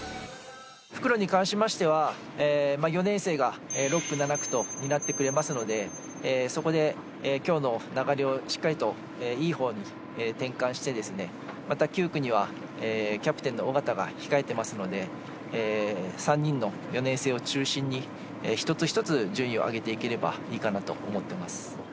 復路に関しましては、４年生が６区、７区と担ってくれますのでそこで今日の流れをしっかりと、いいほうに転換して、また９区にはキャプテンの緒方が控えていますので３人の４年生を中心に一つ一つ順位を上げていければいいかなと思っています。